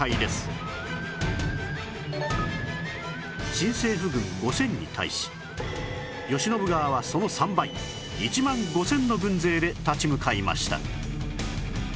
新政府軍５０００に対し慶喜側はその３倍１万５０００の軍勢で立ち向かいました